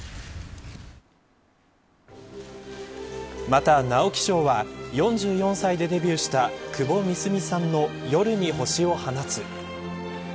また、直木賞は４４歳でデビューした窪美澄さんの夜に星を放つ。